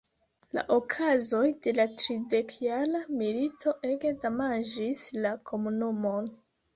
La okazoj de la Tridekjara milito ege damaĝis la komunumon.